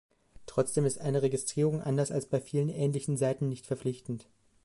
Trotzdem ist eine Registrierung, anders als bei vielen ähnlichen Seiten, nicht verpflichtend.